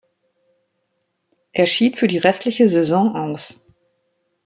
Er schied für die restliche Saison aus.